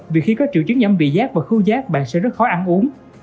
vị giác và khu giác bạn sẽ rất khó ăn uống